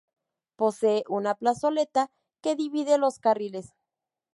Posee una plazoleta que divide los carriles.